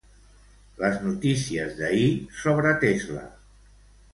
Les notícies d'ahir sobre Tesla.